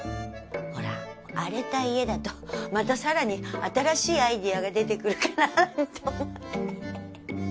ほら荒れた家だとまた更に新しいアイデアが出てくるかなと思ってハハハ。